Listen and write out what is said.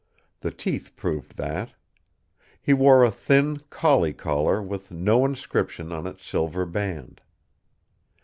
The teeth proved that. He wore a thin collie collar with no inscription on its silver band.